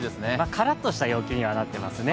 カラッとした陽気にはなっていますね。